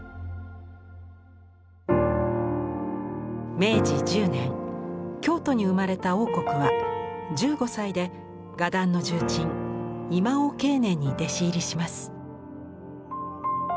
明治１０年京都に生まれた櫻谷は１５歳で画壇の重鎮今尾景年に弟子入りします。